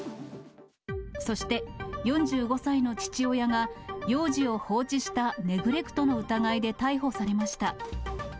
そして、４５歳の父親が幼児を放置したネグレクトの疑いで逮捕されました。